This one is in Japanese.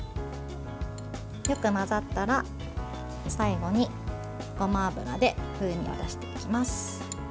よく混ざったら、最後にごま油で風味を出していきます。